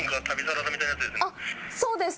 そうです。